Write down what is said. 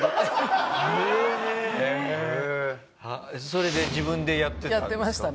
それで自分でやってたんですか？